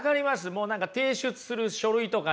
もう何か提出する書類とかね。